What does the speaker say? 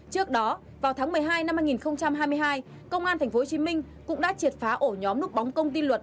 trước đó vào tháng một mươi hai năm hai nghìn hai mươi hai công an tp hcm cũng đã triệt phá ổ nhóm núp bóng công ty luật